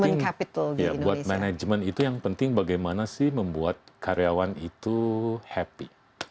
ya yang penting buat management itu yang penting bagaimana sih membuat karyawan itu happy